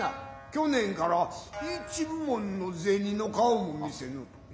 去年から一文の銭の顔も見せぬ。